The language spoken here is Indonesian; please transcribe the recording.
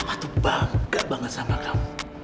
papa tuh bangga banget sama kamu